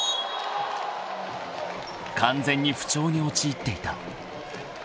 ［完全に不調に陥っていた］